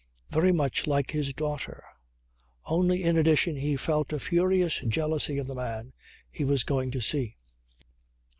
Very much like his daughter. Only in addition he felt a furious jealousy of the man he was going to see.